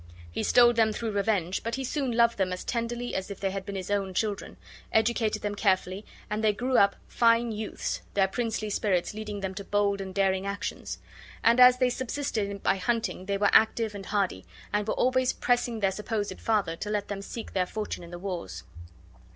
He stole them through revenge, but he soon loved them as tenderly as if they had been his own children, educated them carefully, and they grew up fine youths, their princely spirits leading them to bold and daring actions; and as they subsisted by hunting, they were active and hardy, and were always pressing their supposed father to let them seek their fortune in the wars.